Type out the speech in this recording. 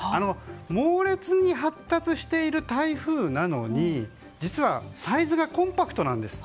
猛烈に発達している台風なのに実は、サイズがコンパクトなんです。